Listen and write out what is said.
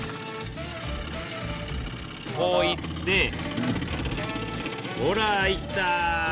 こういってほらあいた。